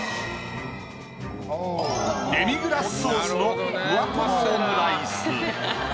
デミグラスソースのふわとろオムライス。